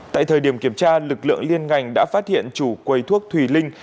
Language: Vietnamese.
tại thời điểm kiểm tra lực lượng liên ngành đã phát hiện chủ quầy thuốc thùy linh